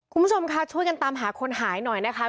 คุณผู้ชมค่ะช่วยกันตามหาคนหายหน่อยนะคะ